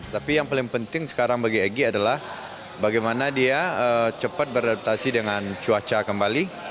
tapi yang paling penting sekarang bagi egy adalah bagaimana dia cepat beradaptasi dengan cuaca kembali